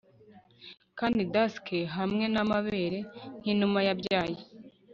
Kandi Dusk hamwe namabere nkinuma yabyaye